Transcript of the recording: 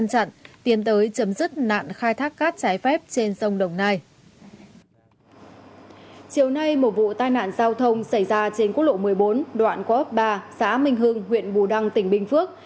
xảy ra trên quốc lộ một mươi bốn đoạn quốc ba xã minh hương huyện bù đăng tỉnh bình phước